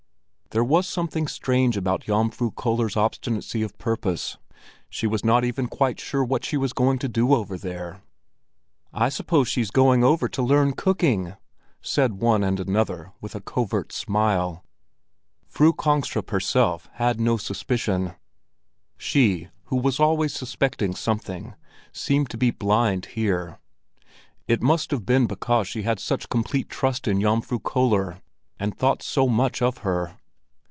There was something strange about Jomfru Köller's obstinacy of purpose; she was not even quite sure what she was going to do over there. "I suppose she's going over to learn cooking," said one and another with a covert smile. Fru Kongstrup herself had no suspicion. She, who was always suspecting something, seemed to be blind here. It must have been because she had such complete trust in Jomfru Köller, and thought so much of her.